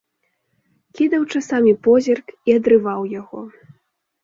Кідаў часамі позірк і адрываў яго.